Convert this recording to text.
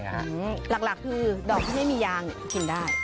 หลักคือดอกที่ไม่มียางกินได้